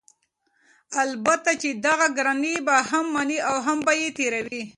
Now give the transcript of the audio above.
البته چې دغه ګرانی به هم مني او هم به یې تېروي؛